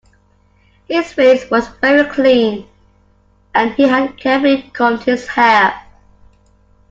His face was very clean, and he had carefully combed his hair